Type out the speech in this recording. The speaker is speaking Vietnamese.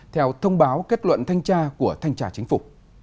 theo thông báo kết luận thanh tra của thanh tra chính phủ